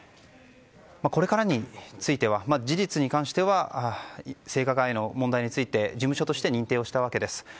これからについては事実に関しては性加害への問題について事務所として認定をしたわけです。